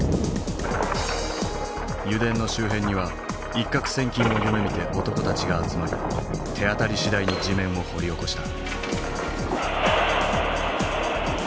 油田の周辺には一獲千金を夢みて男たちが集まり手当たりしだいに地面を掘り起こした。